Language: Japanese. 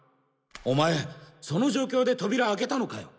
お前その状況で扉開けたのかよ。